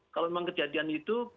kalau memang kejadian itu